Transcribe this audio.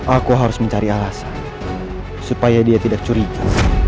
aku harus mencari alasan supaya dia tidak curiga